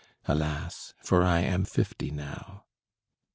Alas, for I am fifty now!